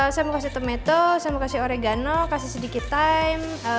saya mau kasih tometo saya mau kasih oregano kasih sedikit time